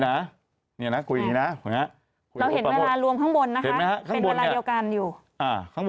เดี๋ยวนะ